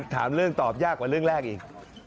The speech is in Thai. ถามเรื่องตอบยากกว่าเรื่องแรกอีก